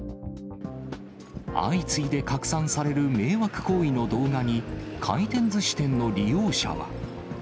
相次いで拡散される迷惑行為の動画に、回転寿司店の利用者は。